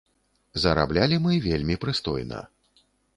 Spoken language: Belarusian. Зараблялі мы вельмі прыстойна.